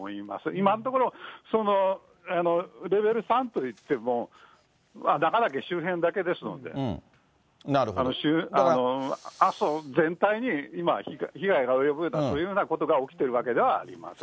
今のところ、レベル３といっても中岳周辺だけですので、阿蘇全体に今、被害が及ぶような、そういうようなことが起きているわけではありません。